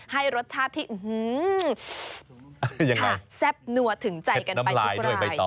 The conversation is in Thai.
ให้รสชาติที่อื้อหือค่ะแซ่บนัวถึงใจกันไปทุกประหลาย